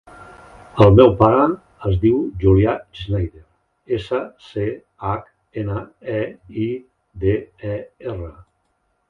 El meu pare es diu Julià Schneider: essa, ce, hac, ena, e, i, de, e, erra.